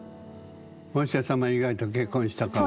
お医者様以外と結婚したから？